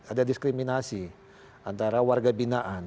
ada diskriminasi antara warga binaan